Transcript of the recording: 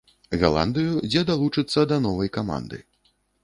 Галандыю, дзе далучыцца да новай каманды.